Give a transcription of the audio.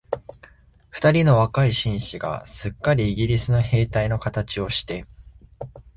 二人の若い紳士が、すっかりイギリスの兵隊のかたちをして、